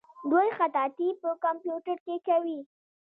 دوی خطاطي په کمپیوټر کې کوي.